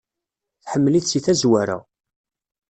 Tḥemmel-it seg tazwara.